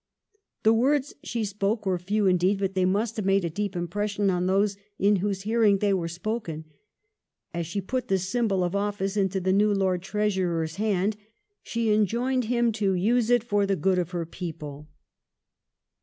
The words she spoke were few indeed, but they must have made a deep impression on those in whose hearing they were spoken. As she put the symbol of office into the new Lord Treasurer's hand she enjoined him to use it for the good of her people.